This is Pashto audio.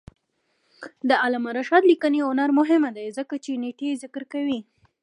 د علامه رشاد لیکنی هنر مهم دی ځکه چې نېټې ذکر کوي.